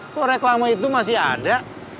kok reklama itu masih ada